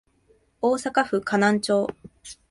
大阪府河南町